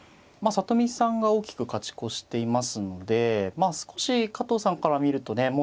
まあ里見さんが大きく勝ち越していますので少し加藤さんから見るとね